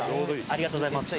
ありがとうございます」